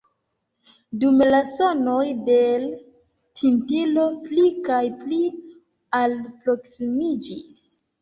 Dume la sonoj de l' tintilo pli kaj pli alproksimiĝis.